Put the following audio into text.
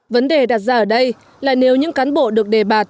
vấn đề đặt ra ở đây là nếu những cán bộ được đề bạt